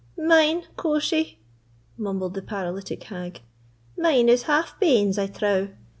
"Mine, quo' she!" mumbled the paralytic hag—"mine is half banes, I trow.